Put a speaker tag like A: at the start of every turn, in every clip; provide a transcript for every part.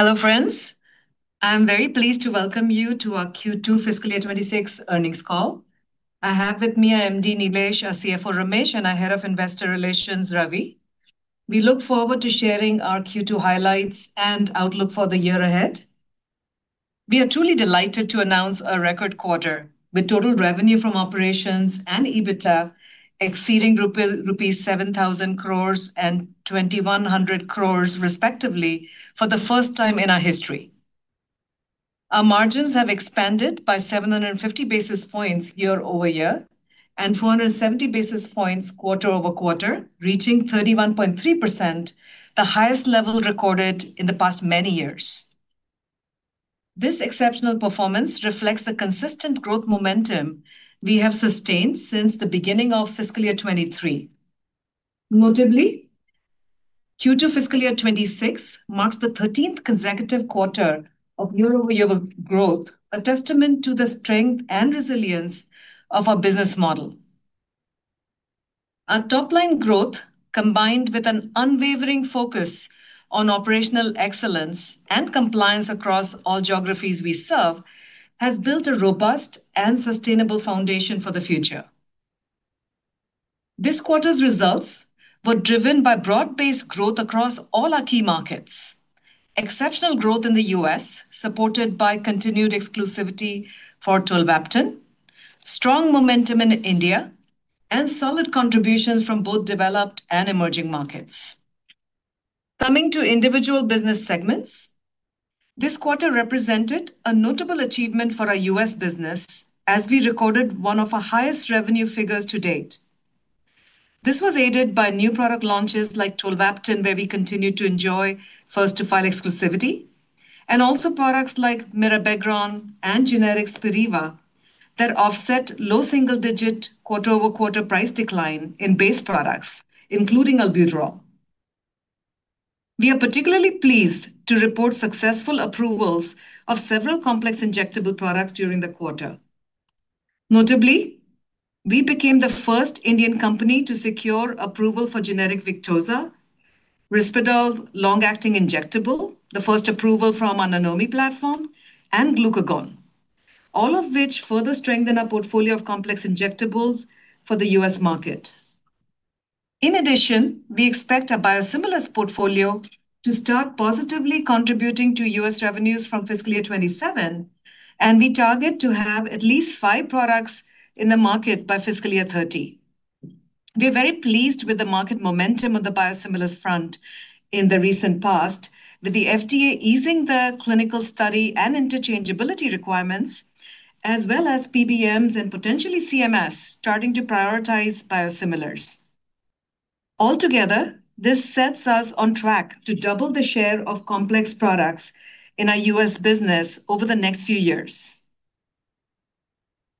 A: Hello, friends. I'm very pleased to welcome you to our Q2 Fiscal Year 2026 earnings call. I have with me MD Nilesh, our CFO, Ramesh, and our Head of Investor Relations, Ravi. We look forward to sharing our Q2 highlights and outlook for the year ahead. We are truly delighted to announce our record quarter, with total revenue from operations and EBITDA exceeding rupees 7,000 crores and 2,100 crores, respectively, for the first time in our history. Our margins have expanded by 750 basis points year-over-year and 470 basis points quarter-over-quarter, reaching 31.3%, the highest level recorded in the past many years. This exceptional performance reflects the consistent growth momentum we have sustained since the beginning of Fiscal Year 2023. Notably, Q2 Fiscal Year 2026 marks the 13th consecutive quarter of year-over-year growth, a testament to the strength and resilience of our business model. Our top-line growth, combined with an unwavering focus on operational excellence and compliance across all geographies we serve, has built a robust and sustainable foundation for the future. This quarter's results were driven by broad-based growth across all our key markets: exceptional growth in the U.S., supported by continued exclusivity for Tolvaptan, strong momentum in India, and solid contributions from both developed and emerging markets. Coming to individual business segments, this quarter represented a notable achievement for our U.S. business, as we recorded one of our highest revenue figures to date. This was aided by new product launches like Tolvaptan, where we continued to enjoy first-to-file exclusivity, and also products like Mirabegron and generic Spiriva that offset low single-digit quarter-over-quarter price decline in base products, including Albuterol. We are particularly pleased to report successful approvals of several complex injectable products during the quarter. Notably, we became the first Indian company to secure approval for generic Victoza, Risperidone's Long-Acting Injectable, the first approval from our Nanomi platform, and Glucagon, all of which further strengthen our portfolio of Complex Injectables for the U.S. market. In addition, we expect our biosimilars portfolio to start positively contributing to U.S. revenues from Fiscal Year 2027, and we target to have at least five products in the market by Fiscal Year 2030. We are very pleased with the market momentum on the biosimilars front in the recent past, with the FDA easing the clinical study and interchangeability requirements, as well as PBMs and potentially CMS starting to prioritize biosimilars. Altogether, this sets us on track to double the share of complex products in our U.S. business over the next few years.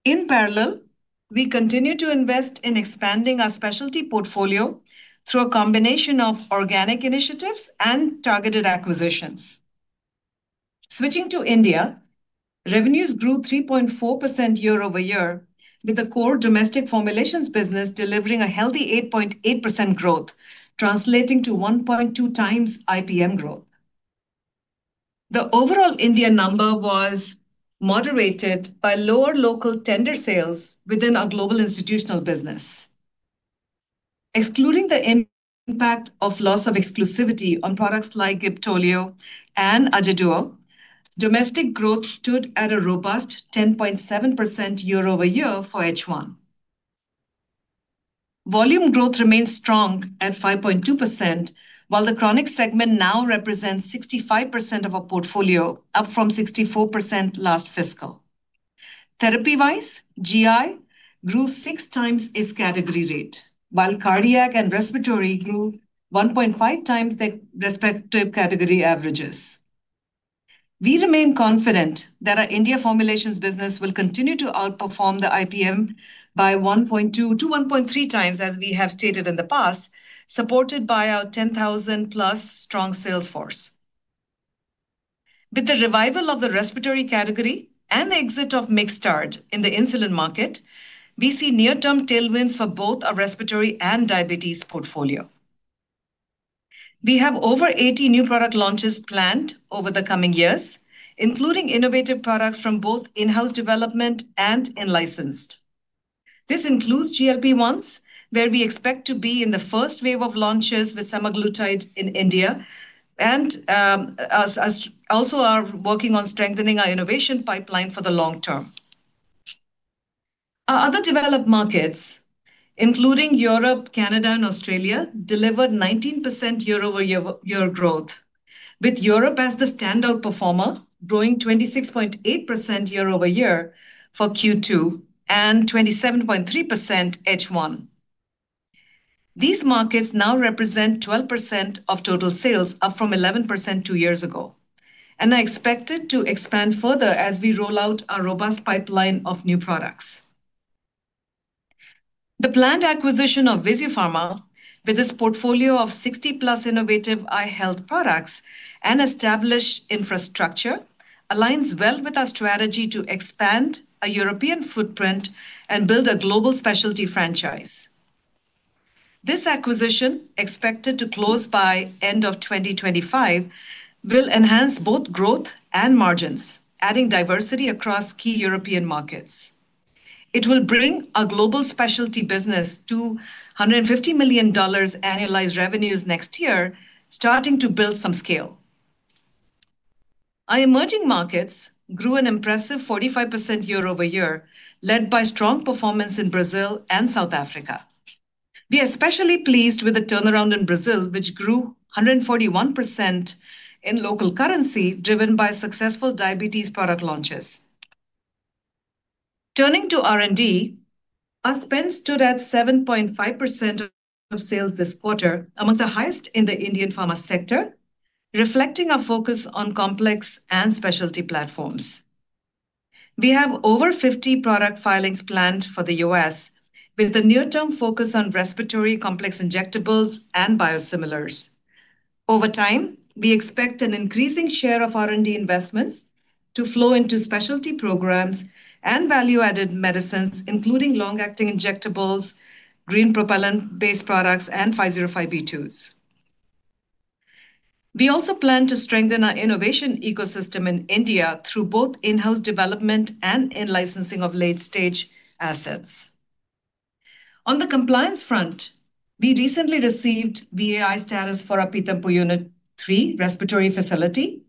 A: In parallel, we continue to invest in expanding our specialty portfolio through a combination of organic initiatives and targeted acquisitions. Switching to India, revenues grew 3.4% year-over-year, with the core domestic formulations business delivering a healthy 8.8% growth, translating to 1.2x IPM growth. The overall Indian number was moderated by lower local tender sales within our global institutional business. Excluding the impact of loss of exclusivity on products like Gibtulio and Ajaduo, domestic growth stood at a robust 10.7% year-over-year for H1. Volume growth remained strong at 5.2%, while the chronic segment now represents 65% of our portfolio, up from 64% last fiscal. Therapy-wise, GI grew 6x its category rate, while cardiac and respiratory grew 1.5x their respective category averages. We remain confident that our India formulations business will continue to outperform the IPM by 1.2x-1.3x, as we have stated in the past, supported by our 10,000+ strong sales force. With the revival of the respiratory category and the exit of Mixtard in the insulin market, we see near-term tailwinds for both our respiratory and diabetes portfolio. We have over 80 new product launches planned over the coming years, including innovative products from both in-house development and in-licensed. This includes GLP-1s, where we expect to be in the first wave of launches with Semaglutide in India, and also are working on strengthening our innovation pipeline for the long term. Our other developed markets, including Europe, Canada, and Australia, delivered 19% year-over-year growth, with Europe as the standout performer, growing 26.8% year-over-year for Q2 and 27.3% H1. These markets now represent 12% of total sales, up from 11% two years ago, and are expected to expand further as we roll out our robust pipeline of new products. The planned acquisition of VISUfarma, with its portfolio of 60+ innovative eye health products and established infrastructure, aligns well with our strategy to expand our European footprint and build a global specialty franchise. This acquisition, expected to close by the end of 2025, will enhance both growth and margins, adding diversity across key European markets. It will bring our global specialty business to $150 million annualized revenues next year, starting to build some scale. Our emerging markets grew an impressive 45% year-over-year, led by strong performance in Brazil and South Africa. We are especially pleased with the turnaround in Brazil, which grew 141% in local currency, driven by successful diabetes product launches. Turning to R&D, our spend stood at 7.5% of sales this quarter, among the highest in the Indian pharma sector, reflecting our focus on complex and specialty platforms. We have over 50 product filings planned for the U.S., with a near-term focus on respiratory complex injectables and biosimilars. Over time, we expect an increasing share of R&D investments to flow into specialty programs and value-added medicines, including long-acting injectables, green propellant-based products, and 505(b)(2)s. We also plan to strengthen our innovation ecosystem in India through both in-house development and in-licensing of late-stage assets. On the compliance front, we recently received EIR status for our Pithampur Unit 3 respiratory facility,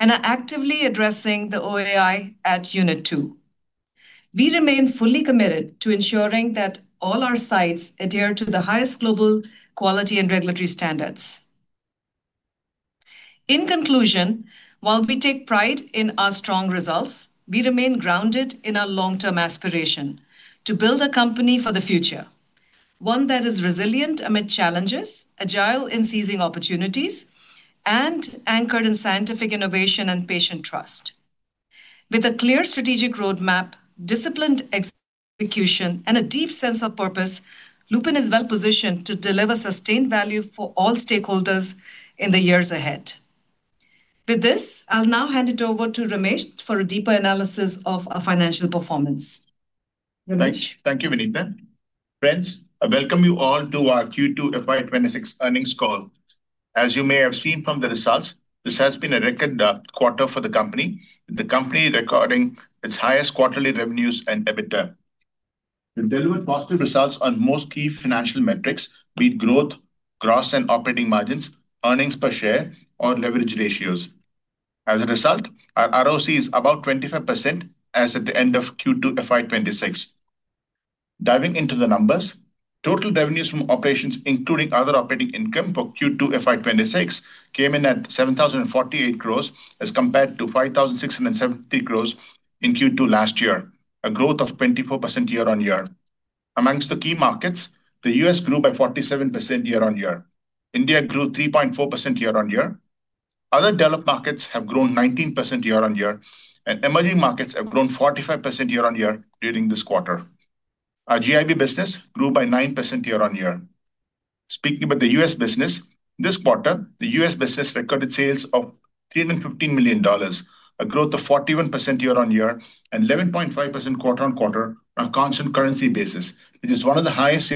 A: and are actively addressing the OAI at Unit 2. We remain fully committed to ensuring that all our sites adhere to the highest global quality and regulatory standards. In conclusion, while we take pride in our strong results, we remain grounded in our long-term aspiration to build a company for the future, one that is resilient amid challenges, agile in seizing opportunities, and anchored in scientific innovation and patient trust. With a clear strategic roadmap, disciplined execution, and a deep sense of purpose, Lupin is well-positioned to deliver sustained value for all stakeholders in the years ahead. With this, I'll now hand it over to Ramesh for a deeper analysis of our financial performance.
B: Thank you, Vinita. Friends, I welcome you all to our Q2 FY 2026 earnings call. As you may have seen from the results, this has been a record quarter for the company, with the company recording its highest quarterly revenues and EBITDA. We delivered positive results on most key financial metrics, be it growth, gross and operating margins, earnings per share, or leverage ratios. As a result, our ROC is about 25% as at the end of Q2 FY 2026. Diving into the numbers, total revenues from operations, including other operating income for Q2 FY 2026, came in at 7,048 crores as compared to 5,670 crores in Q2 last year, a growth of 24% year-on-year. Amongst the key markets, the U.S. grew by 47% year-on-year. India grew 3.4% year-on-year. Other developed markets have grown 19% year-on-year, and emerging markets have grown 45% year-on-year during this quarter. Our GIB business grew by 9% year-on-year. Speaking about the U.S. business, this quarter, the U.S. business recorded sales of $315 million, a growth of 41% year-on-year and 11.5% quarter-on-quarter on a constant currency basis, which is one of the highest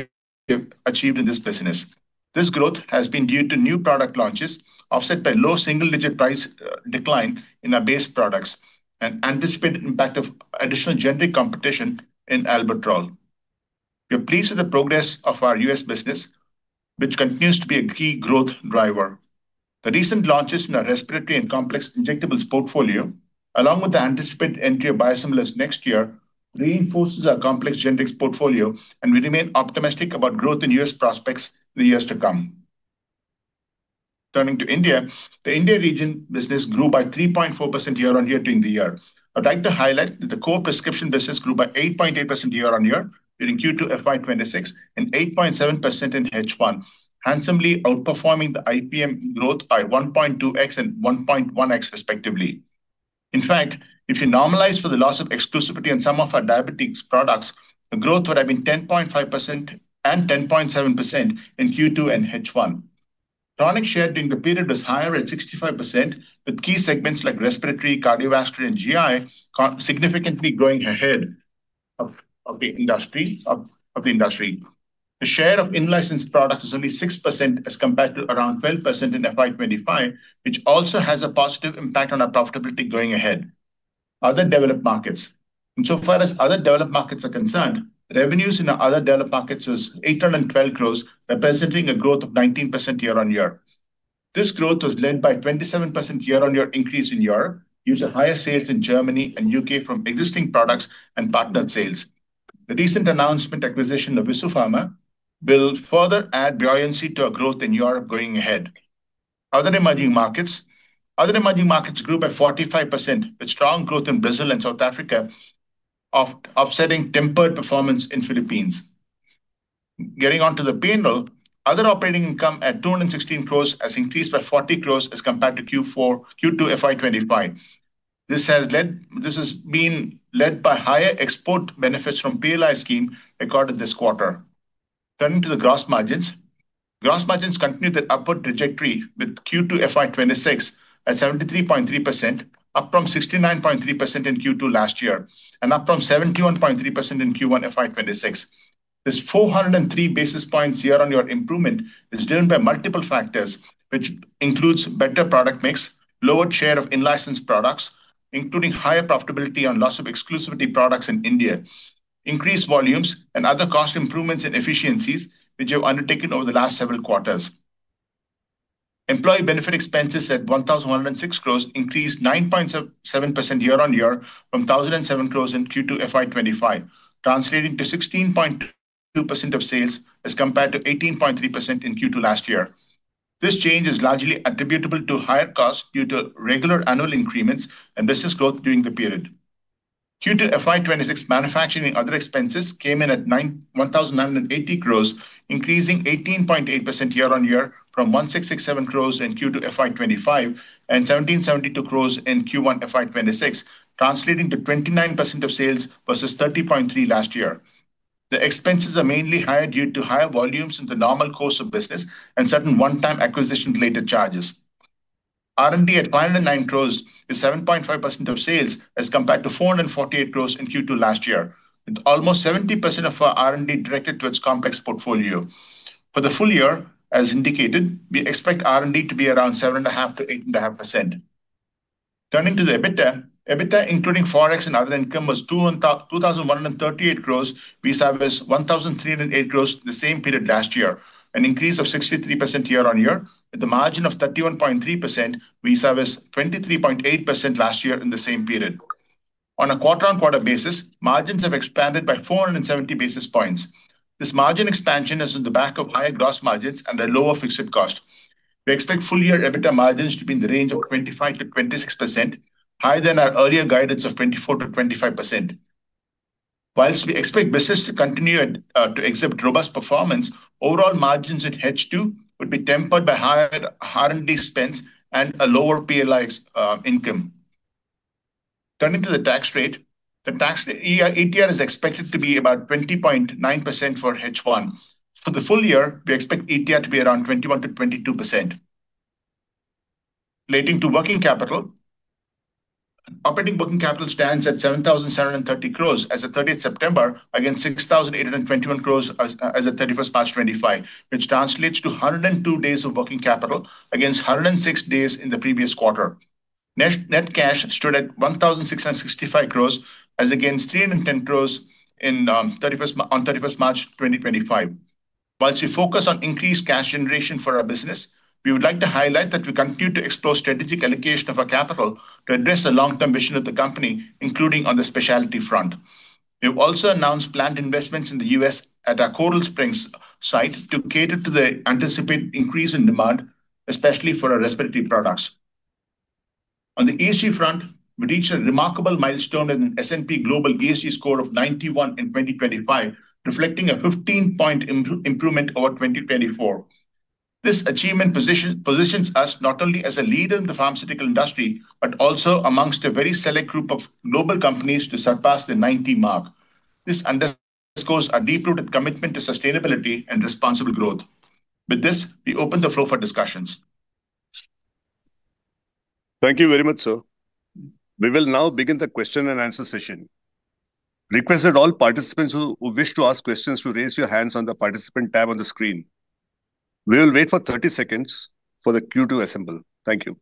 B: achieved in this business. This growth has been due to new product launches, offset by low single-digit price decline in our base products, and anticipated impact of additional generic competition in Albuterol. We are pleased with the progress of our U.S. business, which continues to be a key growth driver. The recent launches in our respiratory and complex injectables portfolio, along with the anticipated entry of biosimilars next year, reinforces our complex generics portfolio, and we remain optimistic about growth in U.S. Prospects in the years to come. Turning to India, the India region business grew by 3.4% year-on-year during the year. I'd like to highlight that the core prescription business grew by 8.8% year-on-year during Q2 FY 2026 and 8.7% in H1, handsomely outperforming the IPM growth by 1.2x and 1.1x, respectively. In fact, if you normalize for the loss of exclusivity on some of our diabetes products, the growth would have been 10.5% and 10.7% in Q2 and H1. Chronic share during the period was higher at 65%, with key segments like respiratory, cardiovascular, and GI significantly growing ahead of the industry. The share of in-licensed products is only 6% as compared to around 12% in FY 2025, which also has a positive impact on our profitability going ahead. Other developed markets, insofar as other developed markets are concerned, revenues in our other developed markets was 812 crore, representing a growth of 19% year-on-year. This growth was led by a 27% year-on-year increase in Europe, due to higher sales in Germany and the U.K. from existing products and partnered sales. The recent announcement acquisition of VISUfarma will further add brilliancy to our growth in Europe going ahead. Other emerging markets grew by 45%, with strong growth in Brazil and South Africa, offsetting tempered performance in the Philippines. Getting onto the payroll, other operating income at 216 crore has increased by 40 crore as compared to Q2 FY 2025. This has been led by higher export benefits from the PLI scheme recorded this quarter. Turning to the gross margins, gross margins continued their upward trajectory with Q2 FY 2026 at 73.3%, up from 69.3% in Q2 last year and up from 71.3% in Q1 FY 2026. This 403 basis points year-on-year improvement is driven by multiple factors, which includes better product mix, lowered share of in-licensed products, including higher profitability on loss of exclusivity products in India, increased volumes, and other cost improvements and efficiencies which have undertaken over the last several quarters. Employee benefit expenses at 1,106 crore increased 9.7% year-on-year from 1,007 crore in Q2 FY 2025, translating to 16.2% of sales as compared to 18.3% in Q2 last year. This change is largely attributable to higher costs due to regular annual increments and business growth during the period. Q2 FY 2026 manufacturing and other expenses came in at 1,980 crores, increasing 18.8% year-on-year from 1,667 crores in Q2 FY 2025 and 1,772 crores in Q1 FY 2026, translating to 29% of sales versus 30.3% last year. The expenses are mainly higher due to higher volumes in the normal course of business and certain one-time acquisition-related charges. R&D at 509 crores is 7.5% of sales as compared to 448 crores in Q2 last year, with almost 70% of our R&D directed to its complex portfolio. For the full year, as indicated, we expect R&D to be around 7.5%-8.5%. Turning to the EBITDA, EBITDA including Forex and other income was 2,138 crores, we saw was 1,308 crores the same period last year, an increase of 63% year-on-year, with a margin of 31.3%, we saw was 23.8% last year in the same period. On a quarter-on-quarter basis, margins have expanded by 470 basis points. This margin expansion is on the back of higher gross margins and a lower fixed cost. We expect full-year EBITDA margins to be in the range of 25%-26%, higher than our earlier guidance of 24%-25%. Whilst we expect business to continue to exhibit robust performance, overall margins in H2 would be tempered by higher R&D expense and a lower PLI income. Turning to the tax rate, the ETR is expected to be about 20.9% for H1. For the full year, we expect ETR to be around 21%-22%. Relating to working capital, operating working capital stands at 7,730 crores as of 30 September against 6,821 crores as of 31 March 2025, which translates to 102 days of working capital against 106 days in the previous quarter. Net cash stood at 1,665 crores as against 310 crores on 31 March 2025. Whilst we focus on increased cash generation for our business, we would like to highlight that we continue to explore strategic allocation of our capital to address the long-term vision of the company, including on the specialty front. We have also announced planned investments in the U.S. at our Coral Springs site to cater to the anticipated increase in demand, especially for our respiratory products. On the ESG front, we reached a remarkable milestone with an S&P Global GSG score of 91 in 2025, reflecting a 15-point improvement over 2024. This achievement positions us not only as a leader in the pharmaceutical industry, but also amongst a very select group of global companies to surpass the 90 mark. This underscores our deep-rooted commitment to sustainability and responsible growth. With this, we open the floor for discussions.
C: Thank you very much, sir. We will now begin the question-and-answer session. Request that all participants who wish to ask questions raise your hands on the participant tab on the screen. We will wait for 30 seconds for the Q2 assemble. Thank you.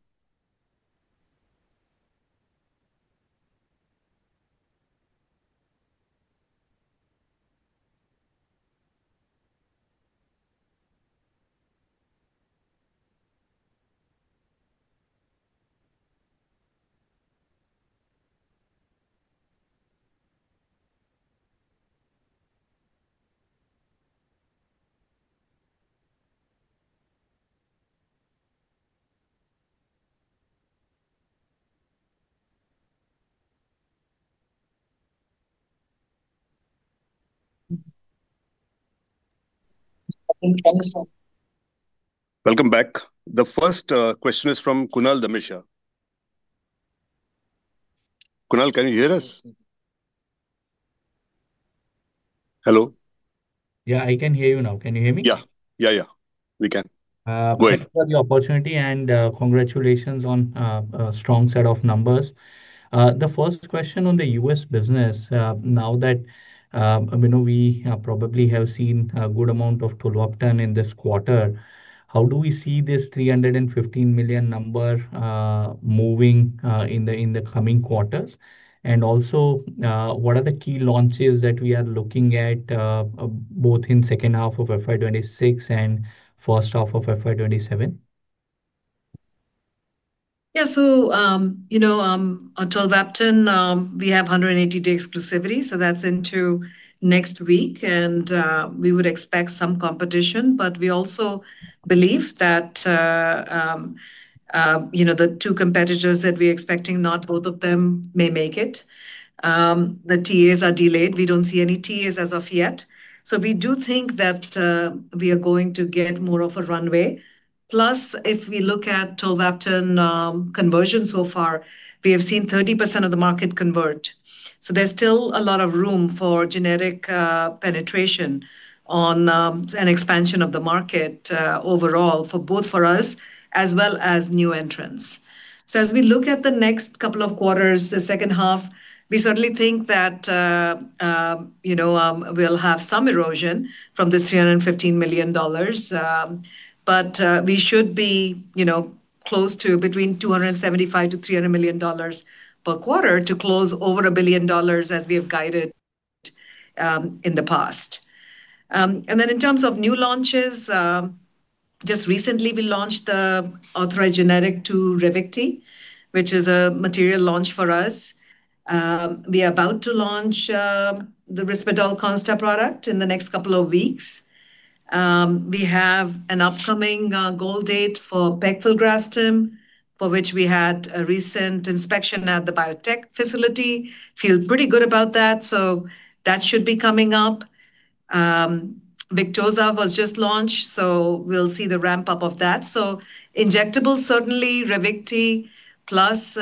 C: Welcome back. The first question is from Kunal Dhamesha. Kunal, can you hear us? Hello?
D: Yeah, I can hear you now. Can you hear me?
C: Yeah, yeah. We can.
D: Good. Thank you for the opportunity and congratulations on a strong set of numbers. The first question on the U.S. business, now that we probably have seen a good amount of Tolvaptan in this quarter, how do we see this $315 million number moving in the coming quarters? Also, what are the key launches that we are looking at both in the second half of FY 2026 and the first half of FY 2027?
A: Yeah, so on Tolvaptan, we have 180-day exclusivity, so that's into next week, and we would expect some competition. We also believe that the two competitors that we are expecting, not both of them, may make it. The TAs are delayed. We do not see any TAs as of yet. We do think that we are going to get more of a runway. Plus, if we look at Tolvaptan conversion so far, we have seen 30% of the market convert. There is still a lot of room for generic penetration on an expansion of the market overall, both for us as well as new entrants. As we look at the next couple of quarters, the second half, we certainly think that we will have some erosion from this $315 million. We should be close to between $275 million-$300 million per quarter to close over $1 billion, as we have guided in the past. In terms of new launches, just recently, we launched the authorized generic to Ravicti, which is a material launch for us. We are about to launch the Risperdal Consta product in the next couple of weeks. We have an upcoming goal date for Pegfilgrastim, for which we had a recent inspection at the biotech facility. Feel pretty good about that, so that should be coming up. Victoza was just launched, so we'll see the ramp-up of that. Injectables, certainly Ravicti plus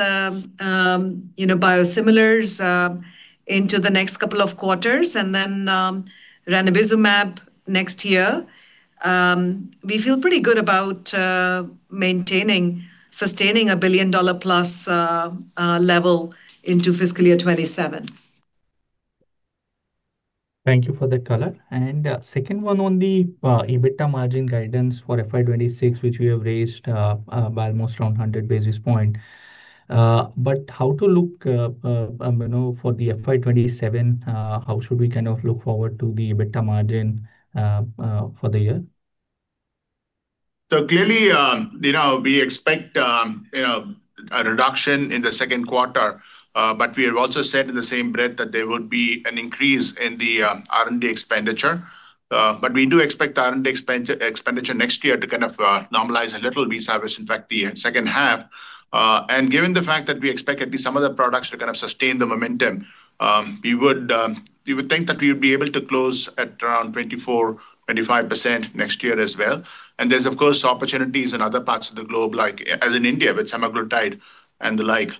A: biosimilars into the next couple of quarters, and then Ranibizumab next year. We feel pretty good about maintaining, sustaining a billion-dollar-plus level into fiscal year 2027.
D: Thank you for the color. The second one on the EBITDA margin guidance for FY 2026, which we have raised by almost around 100 basis points. How to look for the FY 2027? How should we kind of look forward to the EBITDA margin for the year?
B: Clearly, we expect a reduction in the second quarter, but we have also said in the same breadth that there would be an increase in the R&D expenditure. We do expect the R&D expenditure next year to kind of normalize a little, in fact, the second half. Given the fact that we expect at least some of the products to kind of sustain the momentum, we would think that we would be able to close at around 24%-25% next year as well. There are, of course, opportunities in other parts of the globe, like in India with Semaglutide and the like.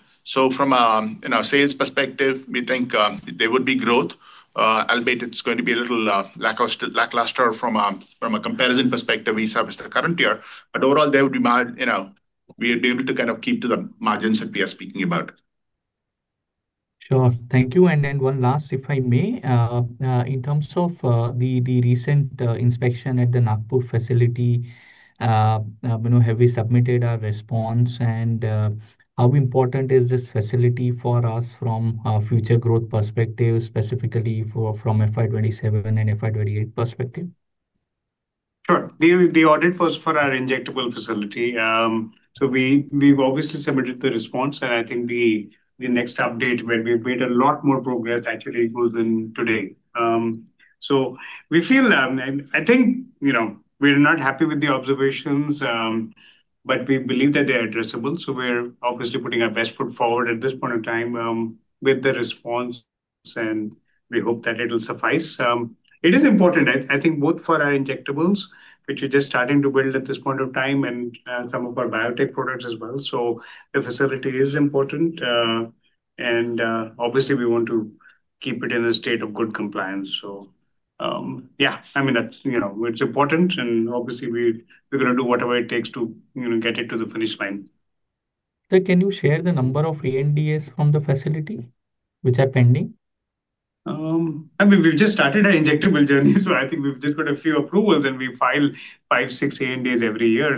B: From a sales perspective, we think there would be growth, albeit it is going to be a little lackluster from a comparison perspective vis-à-vis the current year. Overall, we would be able to kind of keep to the margins that we are speaking about.
D: Sure. Thank you. One last, if I may, in terms of the recent inspection at the Nagpur facility, have we submitted our response? How important is this facility for us from a future growth perspective, specifically from FY 2027 and FY 2028 perspective?
E: Sure. The audit was for our injectable facility. We have obviously submitted the response, and I think the next update, where we have made a lot more progress, actually goes in today. We feel, I think we are not happy with the observations, but we believe that they are addressable. We are obviously putting our best foot forward at this point of time with the response, and we hope that it will suffice. It is important, I think, both for our injectables, which we are just starting to build at this point of time, and some of our biotech products as well. The facility is important, and we want to keep it in a state of good compliance. Yeah, I mean, it is important, and we are going to do whatever it takes to get it to the finish line.
D: Can you share the number of ANDAs from the facility which are pending?
E: I mean, we've just started our injectable journey, so I think we've just got a few approvals, and we file five, six ANDAs every year.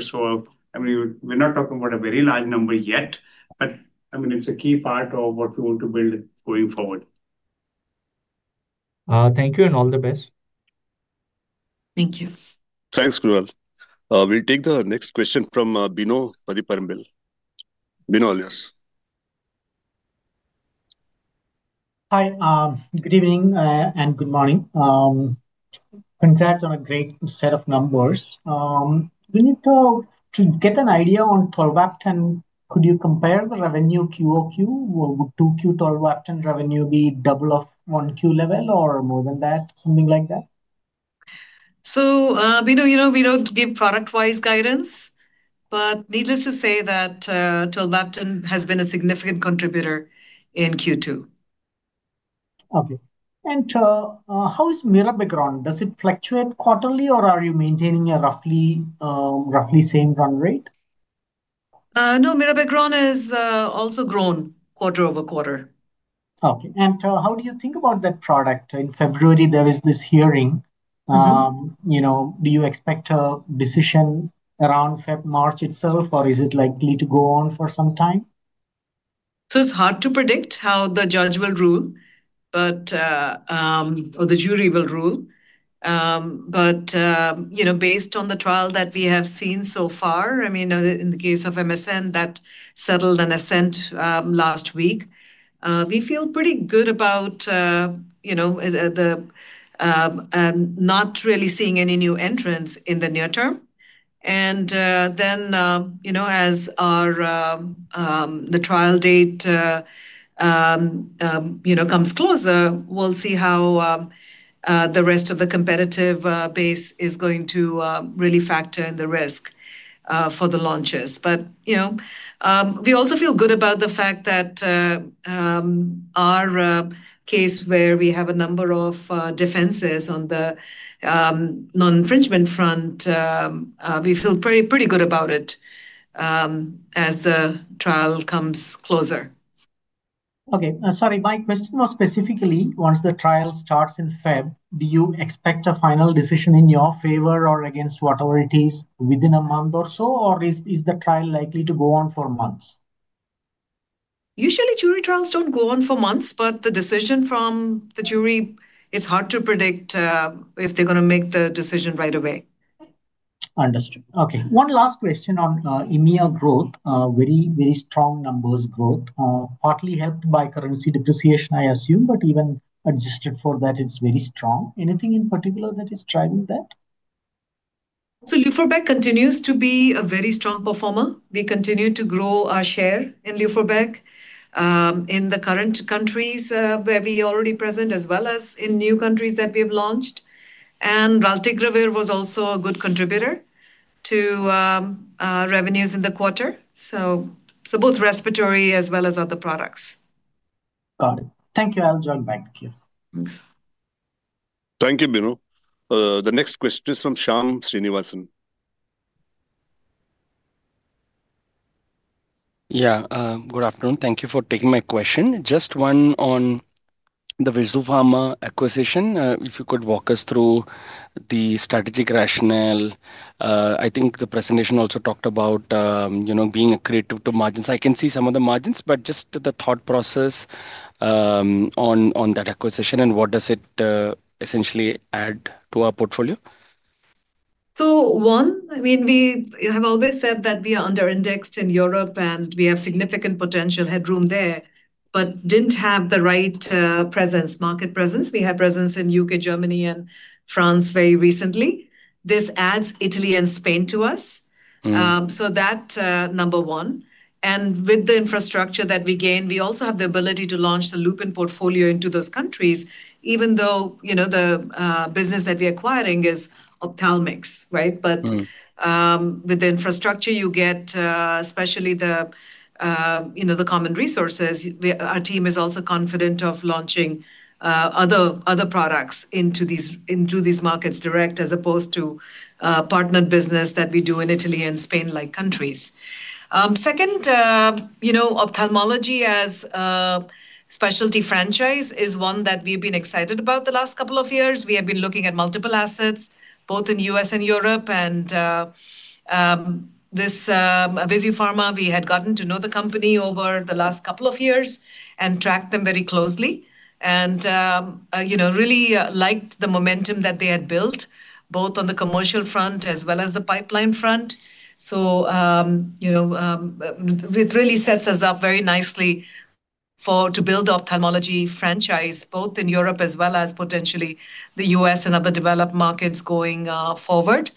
E: I mean, we're not talking about a very large number yet, but I mean, it's a key part of what we want to build going forward.
D: Thank you, and all the best.
A: Thank you.
C: Thanks, Kunal. We'll take the next question from Bino Pathiparampil. Bino, alias.
F: Hi, good evening and good morning. Congrats on a great set of numbers. To get an idea on Tolvaptan, could you compare quarter-over-quarter? Would 2Q Tolvaptan revenue be double of 1Q level or more than that, something like that?
A: Bino, we do not give product-wise guidance, but needless to say that Tolvaptan has been a significant contributor in Q2.
F: Okay. How is Mirabegron? Does it fluctuate quarterly, or are you maintaining a roughly same run rate?
A: No, Mirabegron has also grown quarter-over-quarter.
F: Okay. How do you think about that product? In February, there is this hearing. Do you expect a decision around March itself, or is it likely to go on for some time?
A: It is hard to predict how the judge will rule or the jury will rule. Based on the trial that we have seen so far, I mean, in the case of MSN that settled and assent last week, we feel pretty good about not really seeing any new entrants in the near term. As the trial date comes closer, we will see how the rest of the competitive base is going to really factor in the risk for the launches. We also feel good about the fact that our case, where we have a number of defenses on the non-infringement front, we feel pretty good about it as the trial comes closer.
F: Okay. Sorry, my question was specifically, once the trial starts in February, do you expect a final decision in your favor or against, whatever it is, within a month or so? Or is the trial likely to go on for months?
A: Usually, jury trials do not go on for months, but the decision from the jury is hard to predict if they are going to make the decision right away.
F: Understood. Okay. One last question on EMEA growth, very, very strong numbers growth, partly helped by currency depreciation, I assume, but even adjusted for that, it is very strong. Anything in particular that is driving that?
A: Luforbec continues to be a very strong performer. We continue to grow our share in Luforbec in the current countries where we are already present, as well as in new countries that we have launched. Raltegravir was also a good contributor to revenues in the quarter, so both respiratory as well as other products.
F: Got it. Thank you, I'll join back the queue.
C: Thanks. Thank you, Bino. The next question is from Shyam Srinivasan.
G: Yeah, good afternoon. Thank you for taking my question. Just one on the VISUfarma acquisition. If you could walk us through the strategic rationale. I think the presentation also talked about being accretive to margins. I can see some of the margins, but just the thought process on that acquisition, and what does it essentially add to our portfolio?
A: One, I mean, we have always said that we are underindexed in Europe, and we have significant potential headroom there, but did not have the right presence, market presence. We had presence in the U.K., Germany, and France very recently. This adds Italy and Spain to us. That is number one. With the infrastructure that we gain, we also have the ability to launch the Lupin portfolio into those countries, even though the business that we are acquiring is ophthalmics, right? With the infrastructure you get, especially the common resources, our team is also confident of launching other products into these markets direct as opposed to partnered business that we do in Italy and Spain-like countries. Second, ophthalmology as a specialty franchise is one that we have been excited about the last couple of years. We have been looking at multiple assets, both in the U.S. and Europe. VISUfarma, we had gotten to know the company over the last couple of years and tracked them very closely and really liked the momentum that they had built, both on the commercial front as well as the pipeline front. It really sets us up very nicely to build ophthalmology franchise both in Europe as well as potentially the US and other developed markets going forward.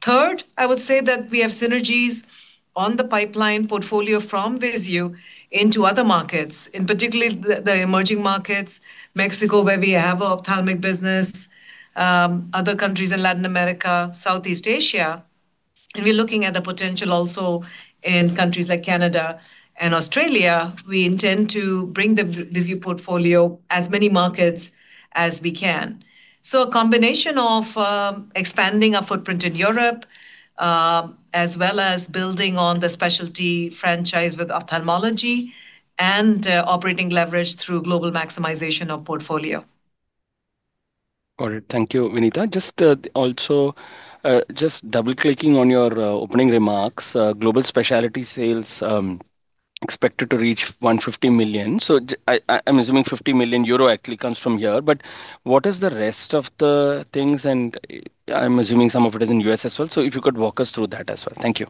A: Third, I would say that we have synergies on the pipeline portfolio from VISUfarma into other markets, in particular the emerging markets, Mexico, where we have an ophthalmic business, other countries in Latin America, Southeast Asia. We are looking at the potential also in countries like Canada and Australia. We intend to bring the VISUfarma portfolio to as many markets as we can. A combination of expanding our footprint in Europe as well as building on the specialty franchise with ophthalmology and operating leverage through global maximization of portfolio.
G: Got it. Thank you, Vinita. Just double-clicking on your opening remarks, global specialty sales expected to reach $150 million. I'm assuming 50 million euro actually comes from here. What is the rest of the things? I'm assuming some of it is in the US as well. If you could walk us through that as well. Thank you.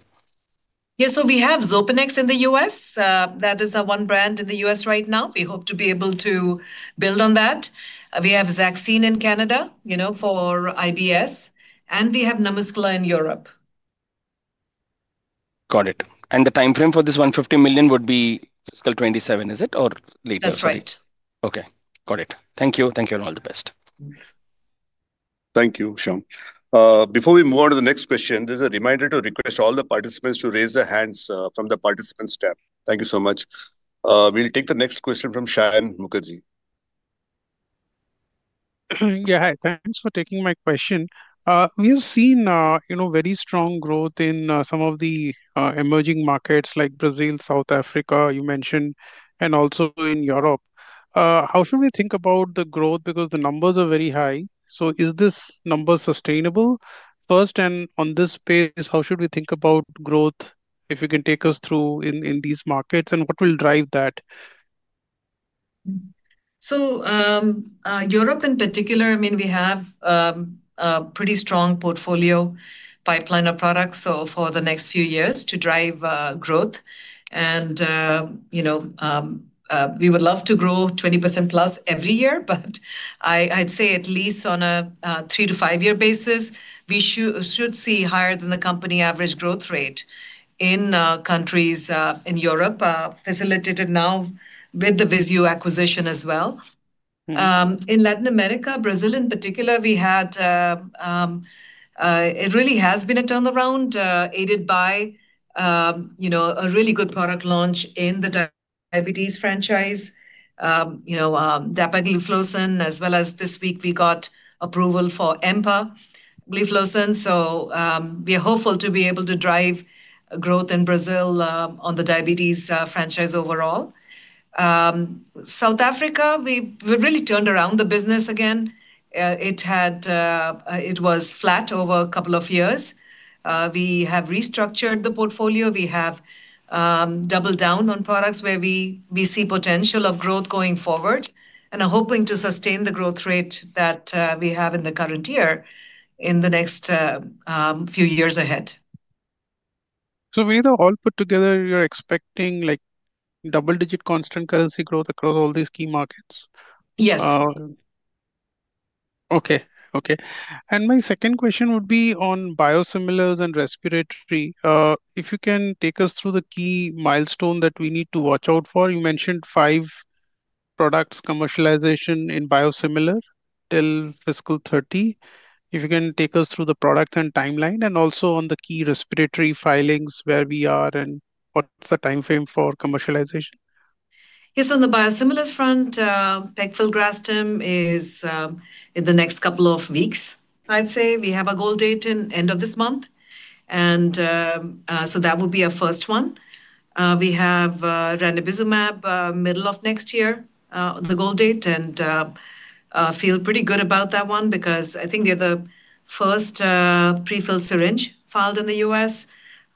A: Yeah. So we have Xopenex in the US. That is one brand in the US right now. We hope to be able to build on that. We have Zaxine in Canada for IBS, and we have NaMuscla in Europe.
G: Got it. The time frame for this $150 million would be fiscal 2027, is it, or later?
A: That's right.
G: Okay. Got it. Thank you. Thank you, and all the best.
C: Thank you, Shyam. Before we move on to the next question, there's a reminder to request all the participants to raise their hands from the participants tab. Thank you so much. We'll take the next question from Saion Mukherjee.
H: Yeah, thanks for taking my question. We have seen very strong growth in some of the emerging markets like Brazil, South Africa, you mentioned, and also in Europe. How should we think about the growth? Because the numbers are very high. Is this number sustainable? First, and on this basis, how should we think about growth if you can take us through in these markets, and what will drive that?
A: Europe in particular, I mean, we have a pretty strong portfolio pipeline of products for the next few years to drive growth. We would love to grow 20% plus every year, but I'd say at least on a three- to five-year basis, we should see higher than the company average growth rate in countries in Europe, facilitated now with the VISUfarma acquisition as well. In Latin America, Brazil in particular, it really has been a turnaround aided by a really good product launch in the diabetes franchise, Dapagliflozin, as well as this week we got approval for Empagliflozin. We are hopeful to be able to drive growth in Brazil on the diabetes franchise overall. South Africa, we've really turned around the business again. It was flat over a couple of years. We have restructured the portfolio. We have doubled down on products where we see potential of growth going forward, and are hoping to sustain the growth rate that we have in the current year in the next few years ahead.
H: When you all put together, you're expecting double-digit constant currency growth across all these key markets?
A: Yes.
H: Okay. Okay. My second question would be on biosimilars and respiratory. If you can take us through the key milestone that we need to watch out for. You mentioned five products commercialization in biosimilar till fiscal 2030. If you can take us through the products and timeline, and also on the key respiratory filings where we are and what's the time frame for commercialization?
A: Yes. On the biosimilars front, Pegfilgrastim is in the next couple of weeks, I'd say. We have a goal date in the end of this month. That would be our first one. We have Ranibizumab middle of next year, the goal date, and feel pretty good about that one because I think we are the first prefilled syringe filed in the U.S.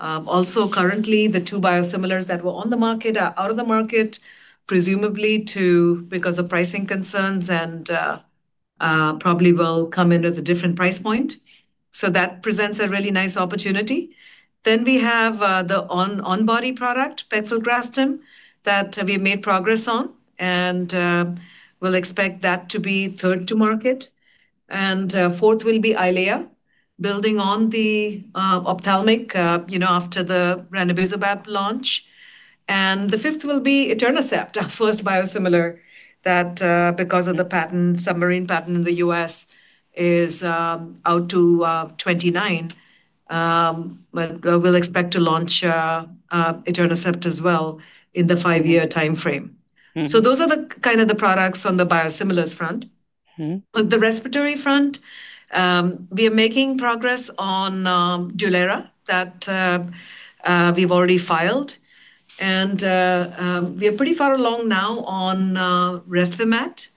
A: Also, currently, the two biosimilars that were on the market are out of the market, presumably because of pricing concerns and probably will come in with a different price point. That presents a really nice opportunity. We have the on-body product, Pegfilgrastim, that we have made progress on, and we'll expect that to be third to market. Fourth will be Eylea, building on the ophthalmic after the Ranibizumab launch. The fifth will be Etanercept, our first biosimilar that, because of the submarine patent in the U.S., is out to 2029. We will expect to launch Etanercept as well in the five-year time frame. Those are the kind of the products on the biosimilars front. On the respiratory front, we are making progress on Dulera that we have already filed. We are pretty far along now on Respimat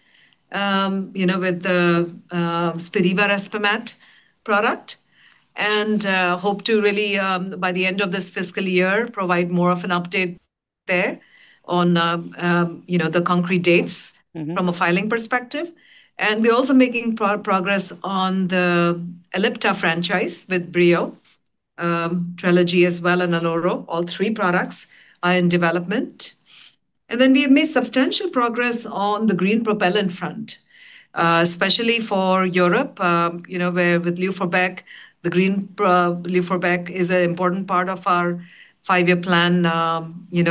A: with the Spiriva Respimat product and hope to really, by the end of this fiscal year, provide more of an update there on the concrete dates from a filing perspective. We are also making progress on the Ellipta franchise with Breo, Trelegy as well, and Anoro. All three products are in development. We have made substantial progress on the green propellant front, especially for Europe, where with Luforbec, the green Luforbec is an important part of our five-year plan in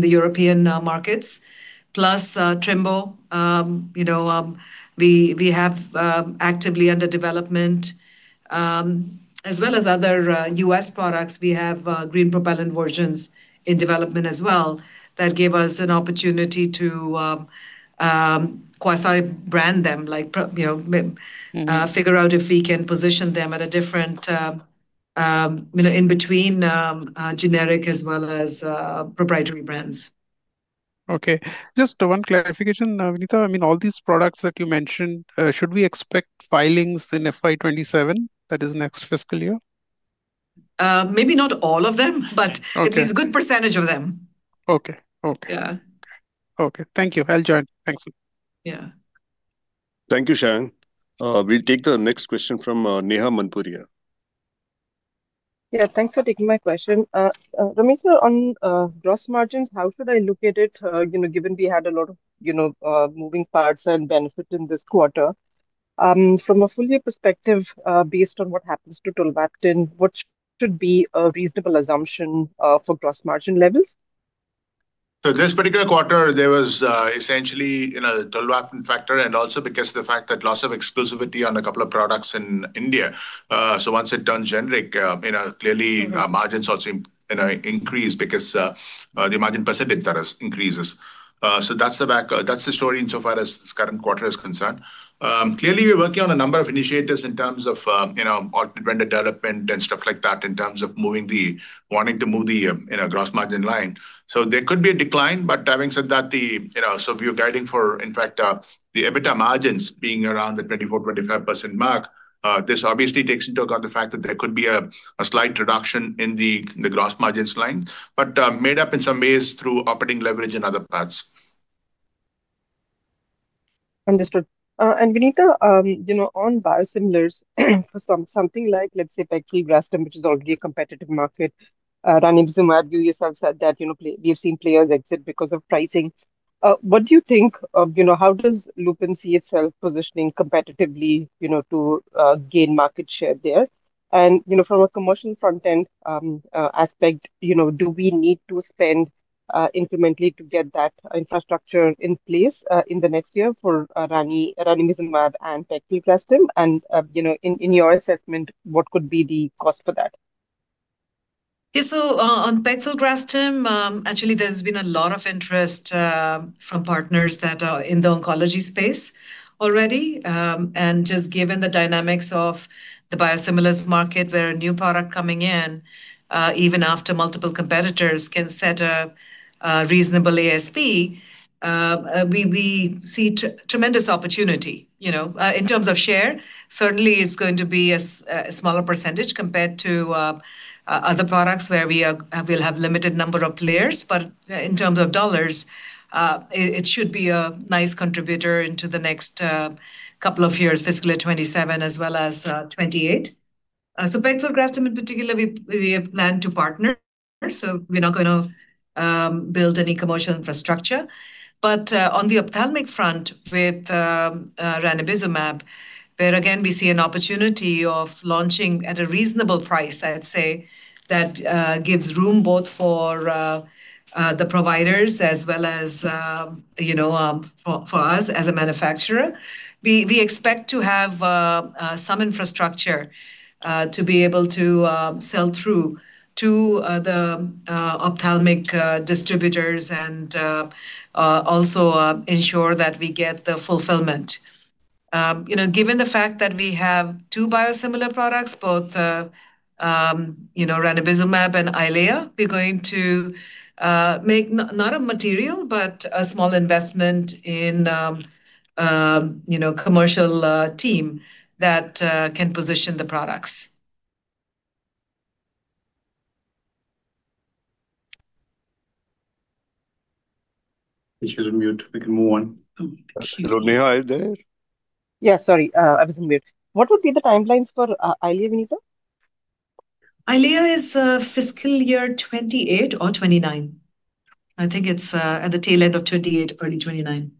A: the European markets, plus Trimbow. We have actively under development, as well as other US products. We have green propellant versions in development as well that gave us an opportunity to quasi-brand them, figure out if we can position them in between generic as well as proprietary brands.
H: Okay. Just one clarification, Vinita. I mean, all these products that you mentioned, should we expect filings in FY 2027? That is next fiscal year.
A: Maybe not all of them, but at least a good percentage of them.
H: Okay. Thank you. I'll join. Thanks.
A: Yeah.
C: Thank you, Saion. We'll take the next question from Neha Manpuria.
I: Yeah. Thanks for taking my question. Ramesh, on gross margins, how should I look at it, given we had a lot of moving parts and benefits in this quarter? From a full-year perspective, based on what happens to Tolvaptan, what should be a reasonable assumption for gross margin levels?
B: This particular quarter, there was essentially a Tolvaptan factor and also because of the fact that loss of exclusivity on a couple of products in India. Once it turns generic, clearly, margins also increase because the margin percentage increases. That is the story insofar as this current quarter is concerned. Clearly, we're working on a number of initiatives in terms of alternate vendor development and stuff like that in terms of wanting to move the gross margin line. There could be a decline. Having said that, if you're guiding for, in fact, the EBITDA margins being around the 24%-25% mark, this obviously takes into account the fact that there could be a slight reduction in the gross margins line, but made up in some ways through operating leverage and other parts.
I: Understood. Vinita, on biosimilars, something like, let's say, Pegfilgrastim, which is already a competitive market, Ranibizumab, you yourself said that we've seen players exit because of pricing. What do you think of how does Lupin see itself positioning competitively to gain market share there? From a commercial front-end aspect, do we need to spend incrementally to get that infrastructure in place in the next year for Ranibizumab and Pegfilgrastim? In your assessment, what could be the cost for that?
A: Yeah. On Pegfilgrastim, actually, there's been a lot of interest from partners that are in the oncology space already. Just given the dynamics of the biosimilars market, where a new product coming in, even after multiple competitors, can set a reasonable ASP, we see tremendous opportunity. In terms of share, certainly, it's going to be a smaller percentage compared to other products where we'll have a limited number of players. In terms of dollars, it should be a nice contributor into the next couple of years, fiscal year 2027 as well as 2028. Pegfilgrastim, in particular, we have planned to partner. We're not going to build any commercial infrastructure. On the ophthalmic front with Ranibizumab, where again, we see an opportunity of launching at a reasonable price, I'd say, that gives room both for the providers as well as for us as a manufacturer, we expect to have some infrastructure to be able to sell through to the ophthalmic distributors and also ensure that we get the fulfillment. Given the fact that we have two biosimilar products, both Ranibizumab and Eylea, we're going to make not a material, but a small investment in a commercial team that can position the products.
C: You should have muted. We can move on. Neha, are you there?
I: Yeah. Sorry. I was on mute. What would be the timelines for Eylea, Vinita?
A: Eylea is fiscal year 2028 or 2029. I think it's at the tail end of 2028, early 2029.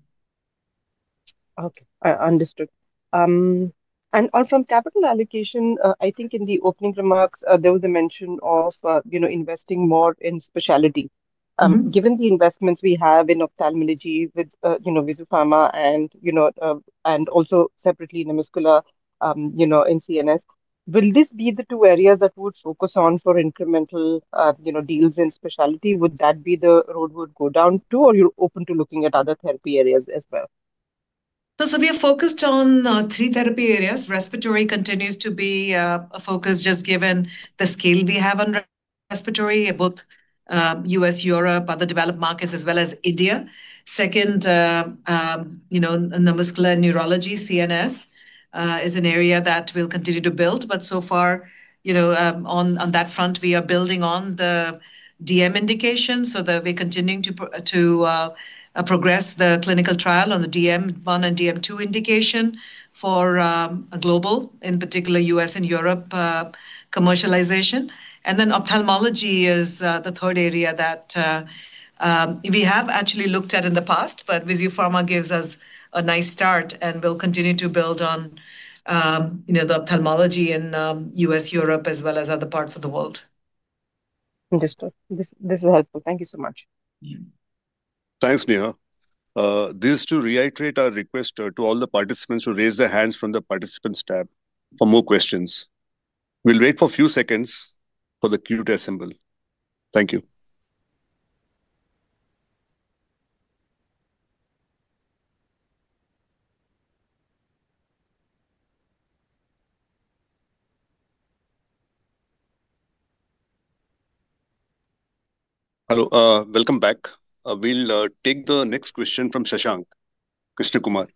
I: Okay. Understood. From capital allocation, I think in the opening remarks, there was a mention of investing more in specialty. Given the investments we have in ophthalmology with VISUfarma and also separately NaMuscla, in CNS, will this be the two areas that we would focus on for incremental deals in specialty? Would that be the road we would go down to, or you're open to looking at other therapy areas as well?
A: We are focused on three therapy areas. Respiratory continues to be a focus just given the scale we have on respiratory, both US, Europe, other developed markets, as well as India. Second, NaMuscla, neurology, CNS is an area that we'll continue to build. So far, on that front, we are building on the DM indication. We are continuing to progress the clinical trial on the DM1 and DM2 indication for global, in particular, US and Europe commercialization. Ophthalmology is the third area that we have actually looked at in the past, but VISUfarma gives us a nice start, and we'll continue to build on the ophthalmology in US, Europe, as well as other parts of the world.
I: Understood. This was helpful. Thank you so much.
C: Thanks, Neha. This is to reiterate our request to all the participants to raise their hands from the participants tab for more questions. We'll wait for a few seconds for the queue to assemble. Thank you. Hello. Welcome back. We'll take the next question from Shashank Krishnakumar.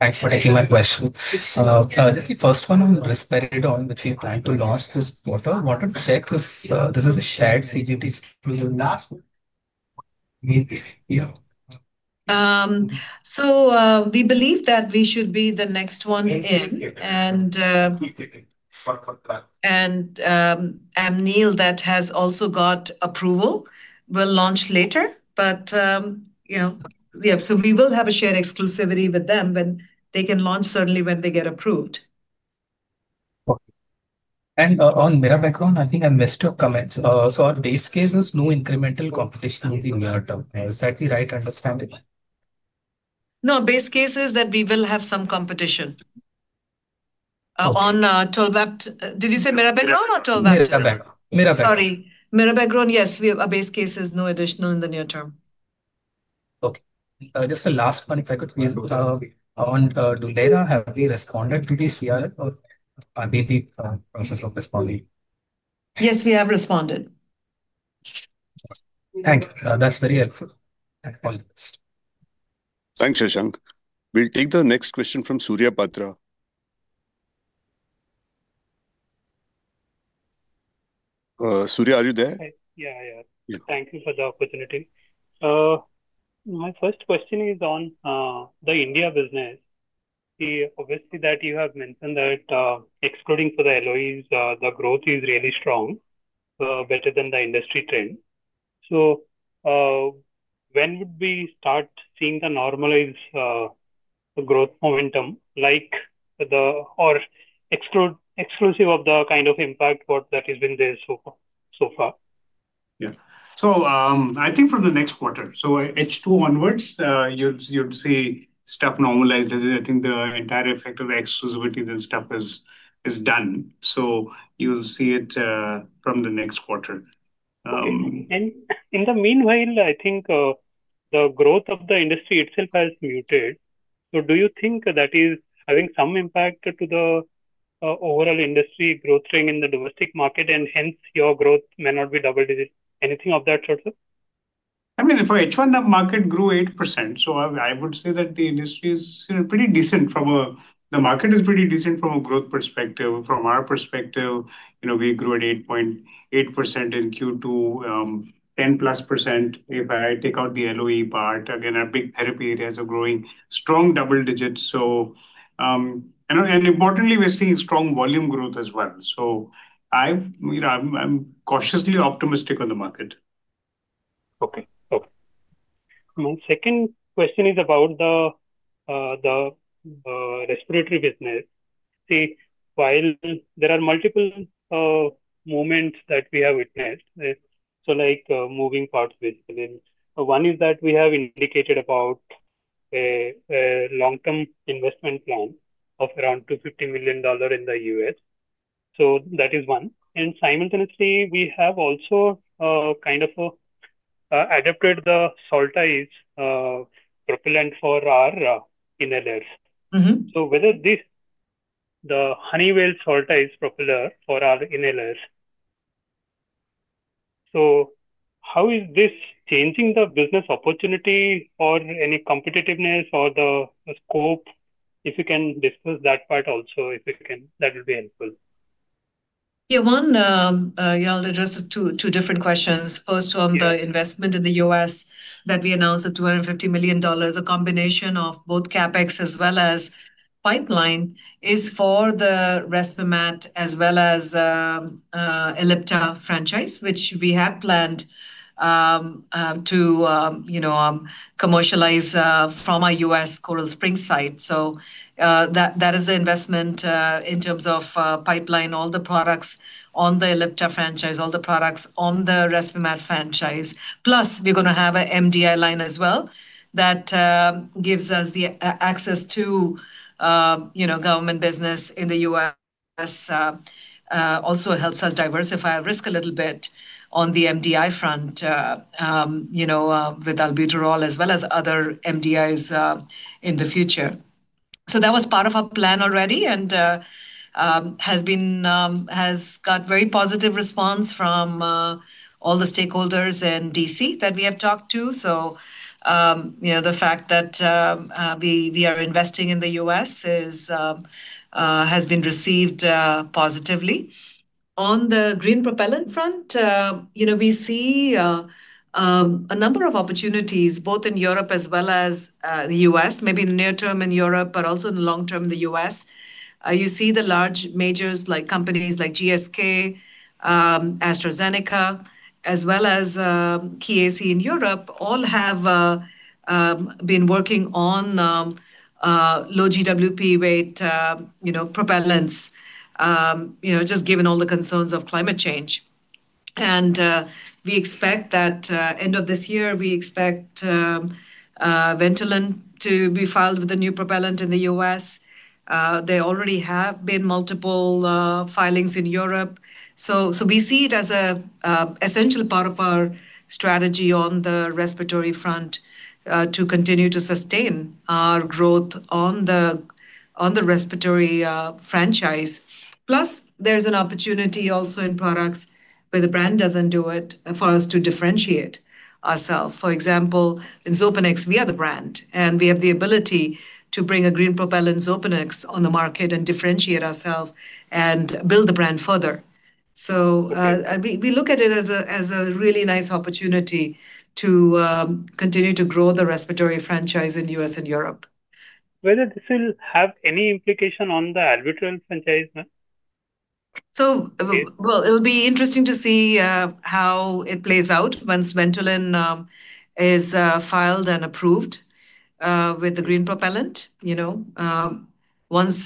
J: Thanks for taking my question. Just the first one on the respirator, which we plan to launch this quarter, wanted to check if this is a shared CGT exclusion?
A: We believe that we should be the next one in. Amneal, that has also got approval, will launch later. Yeah, we will have a shared exclusivity with them when they can launch, certainly when they get approved.
J: On Mirabegron, I think I missed your comments. Our base case is no incremental competition in the near term. Is that the right understanding?
A: No, base case is that we will have some competition. On Tolvaptan, did you say Mirabegron or Tolvaptan?
J: Mirabegron.
A: Sorry. Mirabegron, yes. Our base case is no additional in the near term.
J: Okay. Just a last one, if I could please. On Dulera, have we responded to the CR, or are we in the process of responding?
A: Yes, we have responded.
J: Thank you. That's very helpful.
C: Thanks, Shashank. We'll take the next question from Surya Patra. Surya, are you there?
K: Yeah. Yeah. Thank you for the opportunity. My first question is on the India business. Obviously, you have mentioned that excluding for the LOEs, the growth is really strong, better than the industry trend. When would we start seeing the normalized growth momentum or exclusive of the kind of impact that has been there so far?
E: Yeah. I think from the next quarter, so H2 onwards, you'll see stuff normalized. I think the entire effect of exclusivity and stuff is done. You'll see it from the next quarter.
K: In the meanwhile, I think the growth of the industry itself has muted. Do you think that is having some impact to the overall industry growth rate in the domestic market, and hence your growth may not be double-digit? Anything of that sort?
E: I mean, for H1, the market grew 8%. I would say that the industry is pretty decent from a growth perspective. From our perspective, we grew at 8.8% in Q2, 10+% if I take out the LOE part. Again, our big therapy areas are growing strong double digits. And importantly, we're seeing strong volume growth as well. I'm cautiously optimistic on the market.
K: Okay. Okay. The second question is about the respiratory business. See, while there are multiple moments that we have witnessed, like moving parts within, one is that we have indicated about a long-term investment plan of around $250 million in the US. That is one. Simultaneously, we have also kind of adapted the Solstice propellant for our inhalers. Whether the Honeywell's Solstice propellant for our inhalers, how is this changing the business opportunity or any competitiveness or the scope? If you can discuss that part also, if you can, that would be helpful.
A: Yeah. One, y'all addressed two different questions. First, on the investment in the US that we announced, the $250 million, a combination of both CapEx as well as pipeline, is for the Respimat as well as Ellipta franchise, which we have planned to commercialize from our US Coral Springs site. That is the investment in terms of pipeline, all the products on the Ellipta franchise, all the products on the Respimat franchise. Plus, we're going to have an MDI line as well that gives us access to government business in the US, also helps us diversify our risk a little bit on the MDI front with albuterol as well as other MDIs in the future. That was part of our plan already and has got very positive response from all the stakeholders in DC that we have talked to. The fact that we are investing in the US has been received positively. On the green propellant front, we see a number of opportunities both in Europe as well as the US, maybe in the near term in Europe, but also in the long term in the US. You see the large majors like companies like GSK, AstraZeneca, as well as Chiesi in Europe, all have been working on low-GWP weight propellants, just given all the concerns of climate change. We expect that end of this year, we expect Ventolin to be filed with a new propellant in the US. There already have been multiple filings in Europe. We see it as an essential part of our strategy on the respiratory front to continue to sustain our growth on the respiratory franchise. Plus, there's an opportunity also in products where the brand doesn't do it for us to differentiate ourselves. For example, in Xopenex, we are the brand, and we have the ability to bring a green propellant Xopenex on the market and differentiate ourselves and build the brand further. We look at it as a really nice opportunity to continue to grow the respiratory franchise in the U.S. and Europe.
K: Will it still have any implication on the albuterol franchise?
A: It'll be interesting to see how it plays out once Ventolin is filed and approved with the green propellant. We'll have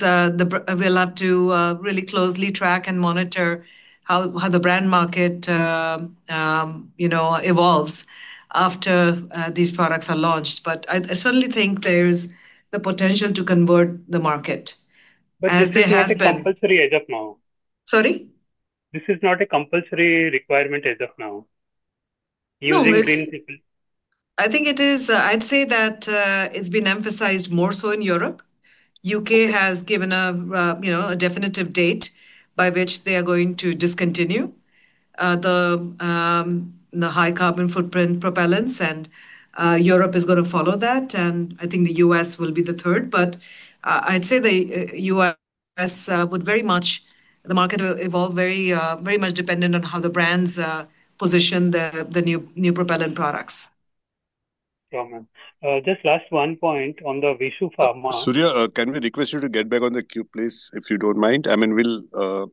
A: to really closely track and monitor how the brand market evolves after these products are launched. I certainly think there's the potential to convert the market as there has been.
K: This is not compulsory as of now?
A: Sorry?
K: This is not a compulsory requirement as of now? You will be able to.
A: I think it is. I'd say that it's been emphasized more so in Europe. The U.K. has given a definitive date by which they are going to discontinue the high carbon footprint propellants, and Europe is going to follow that. I think the U.S. will be the third. I'd say the U.S. market will evolve very much dependent on how the brands position the new propellant products.
K: Just last one point on the VISUfarma.
C: Surya, can we request you to get back on the queue, please, if you don't mind? I mean, we'll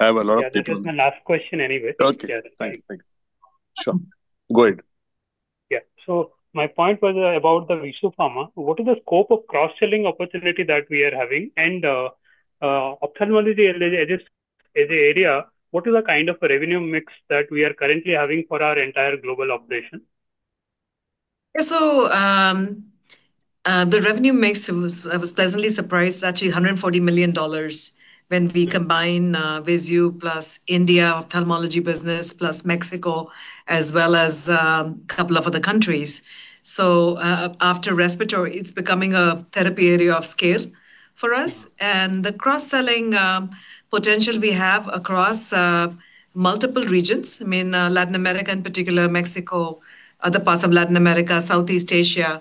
C: have a lot of people.
K: That was my last question anyway.
C: Okay. Thanks. Sure. Go ahead.
K: Yeah. So my point was about the VISUfarma. What is the scope of cross-selling opportunity that we are having? And ophthalmology as an area, what is the kind of revenue mix that we are currently having for our entire global operation?
A: The revenue mix, I was pleasantly surprised, is actually $140 million when we combine VISUfarma plus India ophthalmology business plus Mexico, as well as a couple of other countries. After respiratory, it's becoming a therapy area of scale for us. The cross-selling potential we have across multiple regions, I mean, Latin America in particular, Mexico, other parts of Latin America, Southeast Asia,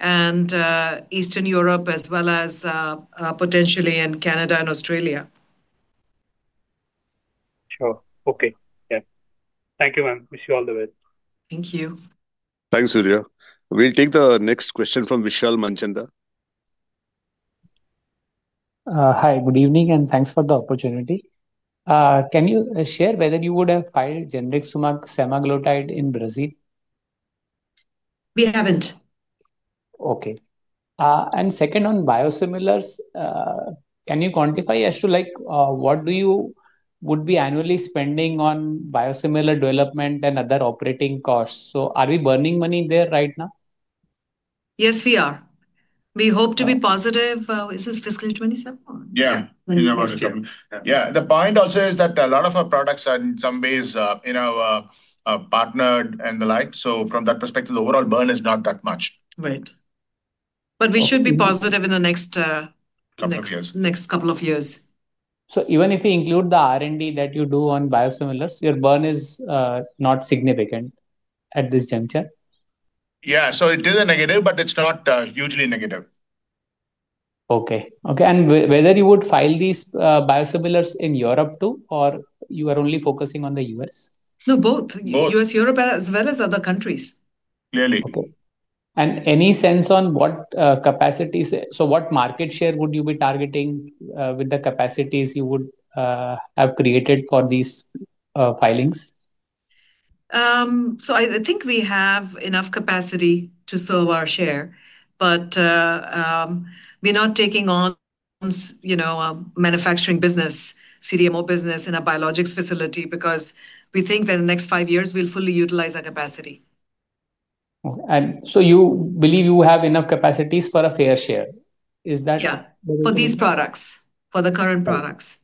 A: and Eastern Europe, as well as potentially in Canada and Australia.
K: Sure. Okay. Yeah. Thank you, ma'am. Wish you all the best.
A: Thank you.
C: Thanks, Surya. We'll take the next question from Vishal Manchanda.
L: Hi. Good evening, and thanks for the opportunity. Can you share whether you would have filed Semaglutide in Brazil?
A: We haven't.
L: Okay. Second, on biosimilars, can you quantify as to what you would be annually spending on biosimilar development and other operating costs? Are we burning money there right now?
A: Yes, we are. We hope to be positive. Is this fiscal 2027?
B: Yeah. Yeah. The point also is that a lot of our products are in some ways partnered and the like. From that perspective, the overall burn is not that much.
A: Right. We should be positive in the next couple of years.
L: Even if we include the R&D that you do on biosimilars, your burn is not significant at this juncture?
B: Yeah. It is a negative, but it's not hugely negative.
L: Okay. Okay. Whether you would file these biosimilars in Europe too, or you are only focusing on the US?
A: No, both. US, Europe, as well as other countries.
B: Clearly.
L: Okay. Any sense on what capacities, so what market share would you be targeting with the capacities you would have created for these filings?
A: I think we have enough capacity to serve our share. But we're not taking on manufacturing business, CDMO business in a biologics facility, because we think that in the next five years, we'll fully utilize our capacity.
L: Okay. And you believe you have enough capacities for a fair share. Is that?
A: Yeah. For these products, for the current products.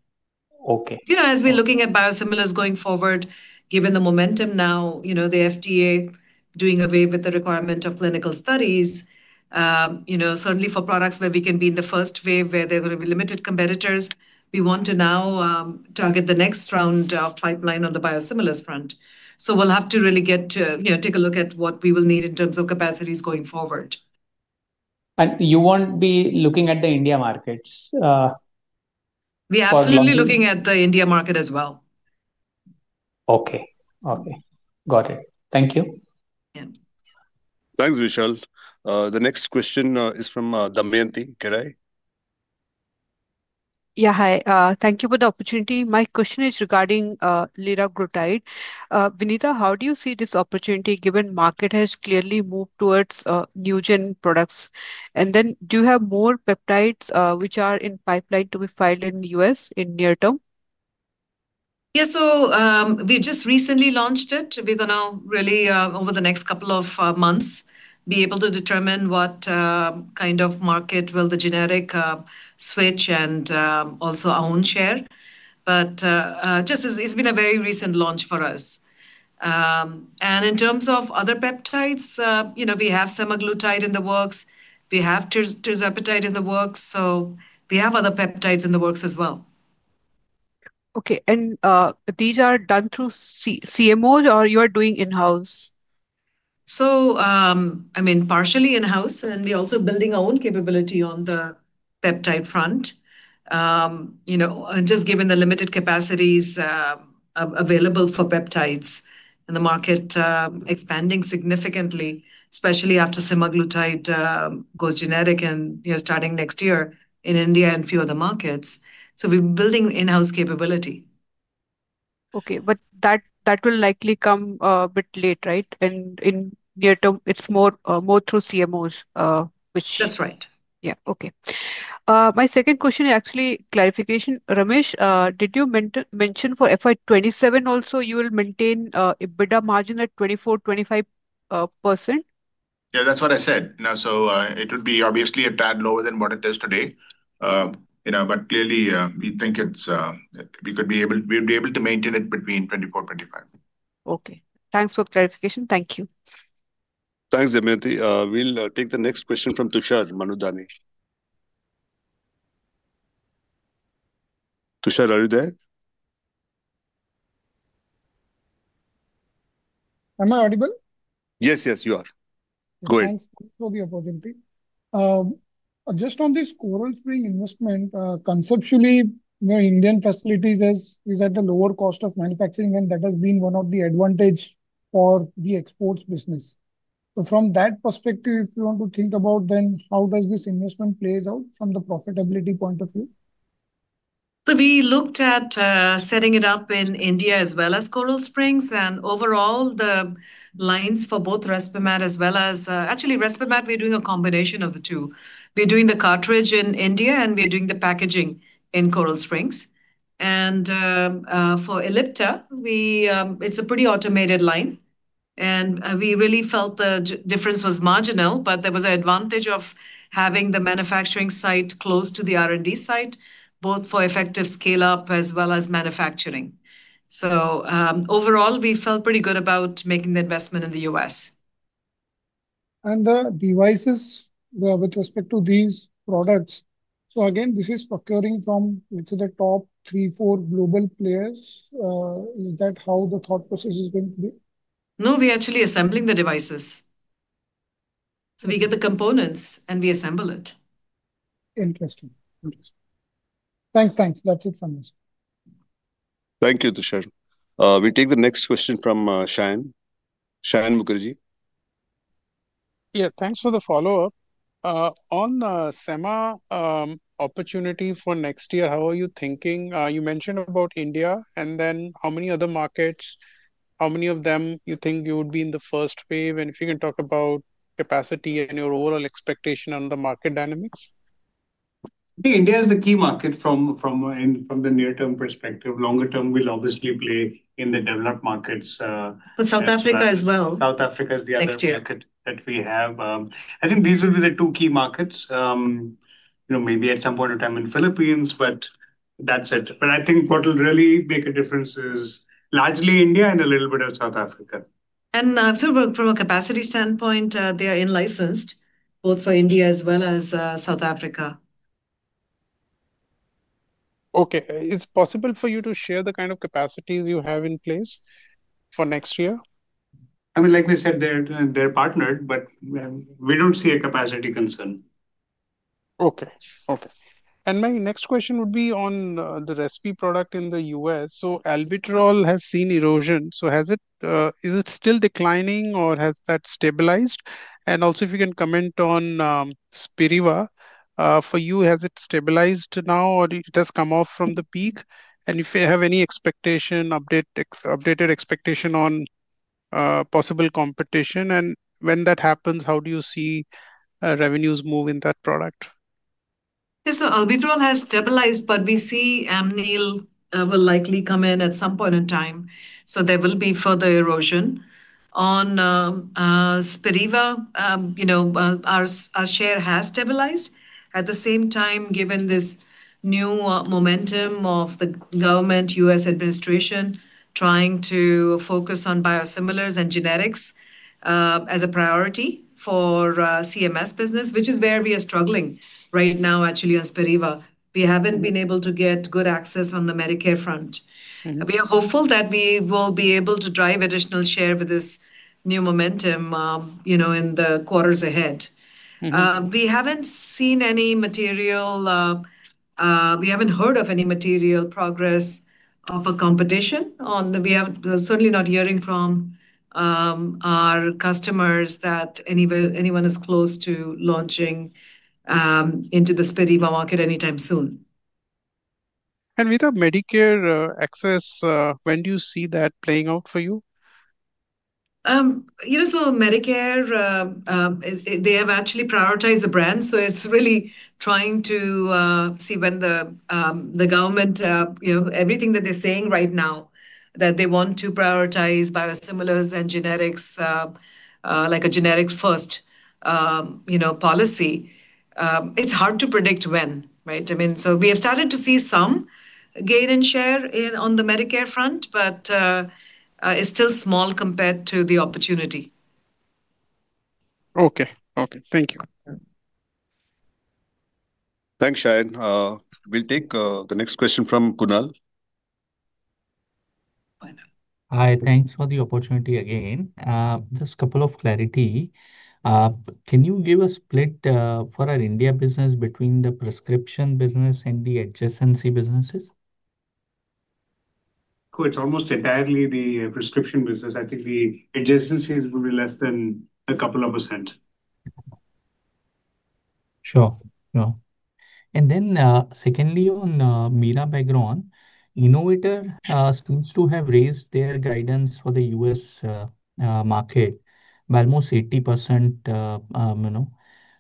L: Okay.
A: As we're looking at biosimilars going forward, given the momentum now, the FDA doing away with the requirement of clinical studies, certainly for products where we can be in the first wave where there are going to be limited competitors, we want to now target the next round of pipeline on the biosimilars front. We will have to really take a look at what we will need in terms of capacities going forward.
L: You won't be looking at the India markets?
A: We're absolutely looking at the India market as well.
L: Okay. Okay. Got it. Thank you.
C: Thanks, Vishal. The next question is from Damayanti Kerai?
M: Yeah. Hi. Thank you for the opportunity. My question is regarding Liraglutide. Vinita, how do you see this opportunity given market has clearly moved towards new gen products? Do you have more peptides which are in pipeline to be filed in the US in near term?
A: Yeah. We have just recently launched it. We are going to really, over the next couple of months, be able to determine what kind of market will the generic switch and also our own share. It has been a very recent launch for us. In terms of other peptides, we have Semaglutide in the works. We have Tirzepatide in the works. We have other peptides in the works as well.
M: Okay. And these are done through CMO, or you are doing in-house?
A: I mean, partially in-house. And we're also building our own capability on the peptide front. Just given the limited capacities available for peptides and the market expanding significantly, especially after Semaglutide goes generic and starting next year in India and a few other markets. So we're building in-house capability.
M: Okay. That will likely come a bit late, right? In near term, it's more through CMOs, which.
A: That's right.
M: Yeah. Okay. My second question is actually clarification. Ramesh, did you mention for FY 2027 also, you will maintain EBITDA margin at 24%-25%?
B: Yeah. That's what I said. It would be obviously a tad lower than what it is today. Clearly, we think we would be able to maintain it between 24%-25%.
M: Okay. Thanks for clarification. Thank you.
C: Thanks, Damayanti. We'll take the next question from Tushar Manudhane. Tushar, are you there?
N: Am I audible?
C: Yes, yes, you are. Go ahead.
N: Thanks for the opportunity. Just on this Coral Springs investment, conceptually, Indian facilities is at the lower cost of manufacturing, and that has been one of the advantages for the exports business. From that perspective, if you want to think about, then how does this investment play out from the profitability point of view?
A: We looked at setting it up in India as well as Coral Springs. Overall, the lines for both Respimat as well as, actually, Respimat, we're doing a combination of the two. We're doing the cartridge in India, and we're doing the packaging in Coral Springs. For Ellipta, it's a pretty automated line. We really felt the difference was marginal, but there was an advantage of having the manufacturing site close to the R&D site, both for effective scale-up as well as manufacturing. Overall, we felt pretty good about making the investment in the US.
N: The devices with respect to these products, is this procuring from, let's say, the top three or four global players? Is that how the thought process is going to be?
A: No, we're actually assembling the devices. So we get the components, and we assemble it.
N: Interesting. Thanks. Thanks. That's it from me.
C: Thank you, Tushar. We take the next question from Saion. Saion Mukherjee.
H: Yeah. Thanks for the follow-up. On the Semaglutide opportunity for next year, how are you thinking? You mentioned about India. How many other markets? How many of them you think you would be in the first wave? If you can talk about capacity and your overall expectation on the market dynamics?
E: India is the key market from the near-term perspective. Longer-term, we'll obviously play in the developed markets.
A: South Africa as well.
E: South Africa is the other market that we have. I think these will be the two key markets. Maybe at some point in time, in the Philippines, but that's it. I think what will really make a difference is largely India and a little bit of South Africa.
A: From a capacity standpoint, they are in-licensed both for India as well as South Africa.
H: Okay. Is it possible for you to share the kind of capacities you have in place for next year?
E: I mean, like we said, they're partnered, but we don't see a capacity concern.
H: Okay. Okay. My next question would be on the respiratory product in the US. Albuterol has seen erosion. Is it still declining, or has that stabilized? Also, if you can comment on Spiriva, for you, has it stabilized now, or has it come off from the peak? If you have any updated expectation on possible competition, and when that happens, how do you see revenues move in that product?
A: Albuterol has stabilized, but we see Amneal will likely come in at some point in time. There will be further erosion. On Spiriva, our share has stabilized. At the same time, given this new momentum of the government, U.S. administration trying to focus on biosimilars and generics as a priority for CMS business, which is where we are struggling right now, actually, on Spiriva. We have not been able to get good access on the Medicare front. We are hopeful that we will be able to drive additional share with this new momentum in the quarters ahead. We have not seen any material, we have not heard of any material progress of a competition. We are certainly not hearing from our customers that anyone is close to launching into the Spiriva market anytime soon.
C: With the Medicare access, when do you see that playing out for you?
A: Medicare, they have actually prioritized the brand. So it's really trying to see when the government, everything that they're saying right now, that they want to prioritize biosimilars and generics, like a generic-first policy. It's hard to predict when, right? I mean, so we have started to see some gain in share on the Medicare front, but it's still small compared to the opportunity.
C: Okay. Okay. Thank you. Thanks, Saion. We'll take the next question from Kunal.
B: Hi. Thanks for the opportunity again. Just a couple of clarity. Can you give a split for our India business between the prescription business and the adjacency businesses?
C: Cool. It's almost entirely the prescription business. I think the adjacencies will be less than a couple of percent.
B: Sure. Yeah. And then secondly, on Mirabegron, Innovator seems to have raised their guidance for the US market by almost 80%.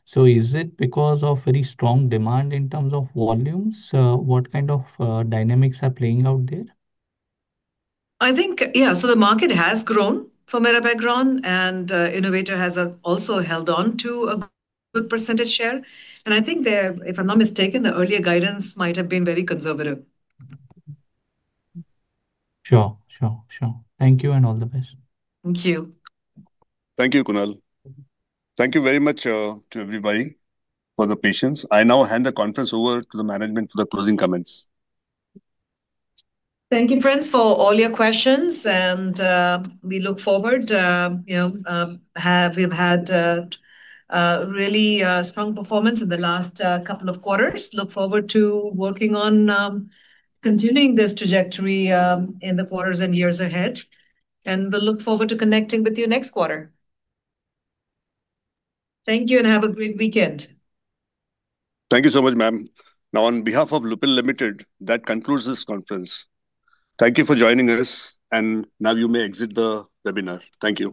B: So, is it because of very strong demand in terms of volumes? What kind of dynamics are playing out there?
A: I think, yeah. The market has grown for Mirabegron, and Innovator has also held on to a good percentage share. I think, if I'm not mistaken, the earlier guidance might have been very conservative.
D: Sure. Thank you, and all the best.
A: Thank you.
C: Thank you, Kunal. Thank you very much to everybody for the patience. I now hand the conference over to the management for the closing comments.
A: Thank you, friends, for all your questions. We look forward. We've had really strong performance in the last couple of quarters. Look forward to working on continuing this trajectory in the quarters and years ahead. We will look forward to connecting with you next quarter. Thank you, and have a great weekend.
C: Thank you so much, ma'am. Now, on behalf of Lupin Limited, that concludes this conference. Thank you for joining us. You may exit the webinar. Thank you.